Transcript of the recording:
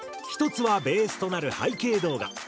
１つはベースとなる背景動画。